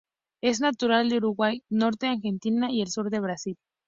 Es natural de Uruguay, norte de Argentina y el sur de Brasil.